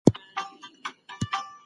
بهرنی سیاست د هیواد لپاره پانګونه جذبوي.